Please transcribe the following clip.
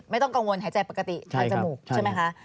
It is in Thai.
ไม่ต้องกังวลหายใจปกติหายจมูกใช่ไหมคะ